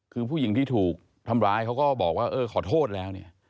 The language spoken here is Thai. คือผู้หญิงที่ถูกทำร้ายเขาก็บอกว่าเออขอโทษแล้วเนี่ย